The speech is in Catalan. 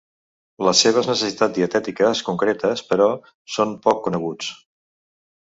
Les seves necessitats dietètiques concretes però, són poc coneguts.